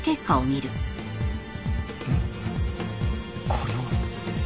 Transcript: これは。